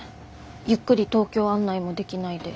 ゆっくり東京案内もできないで。